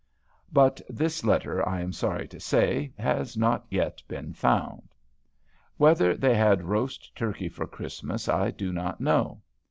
But this letter, I am sorry to say, has not yet been found. Whether they had roast turkey for Christmas I do not know.